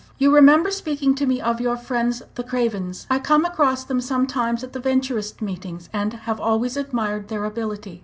You remember speaking to me of your friends the Cravens? I come across them sometimes at the Venturist meetings, and have always admired their ability.